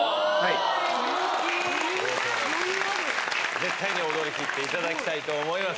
絶対に踊りきっていただきたいと思います。